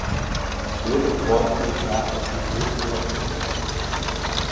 Eu não posso deixar você ter meu avião.